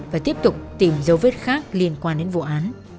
và tiếp tục tìm dấu vết khác liên quan đến vụ án